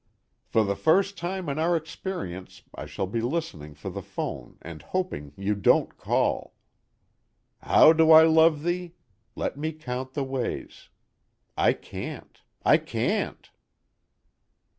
"For the first time in our experience I shall be listening for the phone and hoping you don't call. 'How do I love thee? Let me count the ways' I can't, I can't.